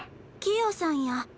キヨさんや。